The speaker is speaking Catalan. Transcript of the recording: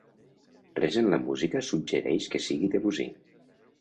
Res en la música suggereix que sigui Debussy.